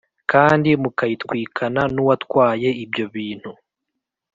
kandi mukayitwikana n uwatwaye ibyo bintu